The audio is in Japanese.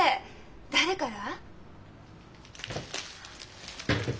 誰から？